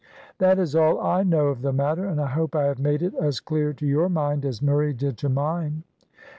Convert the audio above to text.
"That is all I know of the matter, and I hope I have made it as clear to your mind as Murray did to mine."